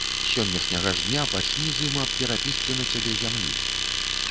З сённяшняга ж дня пачні з ім аб перапісцы на цябе зямлі.